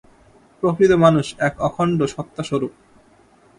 প্রকৃত মানুষ এক অখণ্ড সত্তাস্বরূপ।